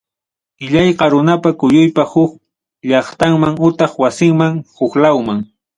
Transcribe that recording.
Illayqa runapa kuyuymi huk llaqtamanta utaq wasimanta huklawman.